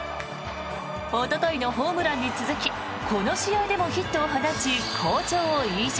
おとといのホームランに続きこの試合でもヒットを放ち好調を維持。